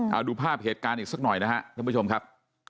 เอาดูภาพเหตุการณ์อีกสักหน่อยนะครับท่านผู้ชมครับ